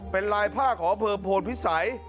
เป็นลายผ้าขอเพิร์มโพลพิสัย